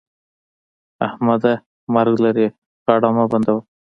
احمده! مرګ لرې؛ غاړه مه بندوه.